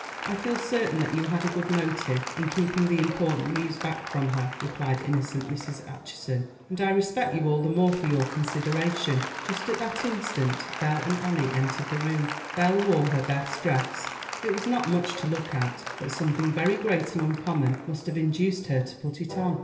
"I felt certain that you had a good motive in keeping the important news back from her," replied innocent Mrs. Acheson; "and I respect you all the more for your consideration." Just at that instant Belle and Annie entered the room. Belle wore her best dress. It was not much to look at; but something very great and uncommon must have induced her to put it on.